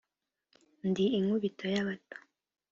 Ndi inkubito y’abato